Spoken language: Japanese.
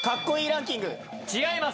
違います。